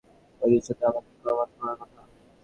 ঐ দৃশ্য তো আমাকে কামার্ত করার কথা।